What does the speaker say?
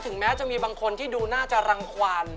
แม้จะมีบางคนที่ดูน่าจะรังความ